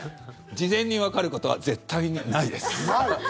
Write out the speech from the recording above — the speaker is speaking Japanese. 事前にわかることは絶対に、ないです！